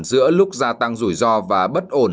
giữa lúc gia tăng rủi ro và bất ổn